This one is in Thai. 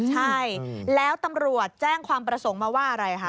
ใช่แล้วตำรวจแจ้งความประสงค์มาว่าอะไรคะ